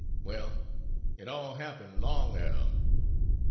"Well, it all happen' 'long er him.